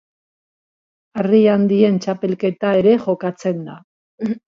Harri Handien Txapelketa ere jokatzen da.